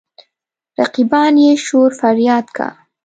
رقیبان يې شور فرياد کا.